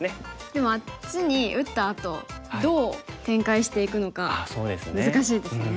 でもあっちに打ったあとどう展開していくのか難しいですよね。